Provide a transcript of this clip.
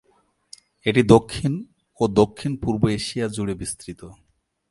এটি দক্ষিণ ও দক্ষিণ-পূর্ব এশিয়া জুড়ে বিস্তৃত।